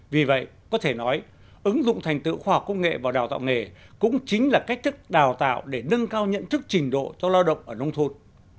vì vậy có thể nói ứng dụng thành tựu khoa học công nghệ vào đào tạo nghề cũng chính là cách thức đào tạo để nâng cao nhận thức trình độ cho lao động ở nông thôn